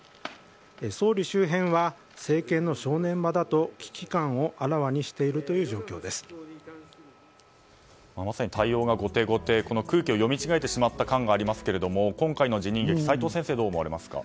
総理周辺は、政権の正念場だと危機感をあらわにしているまさに対応が後手後手空気を読み違えてしまった感がありますけど今回の辞任劇齋藤先生はどう思われますか？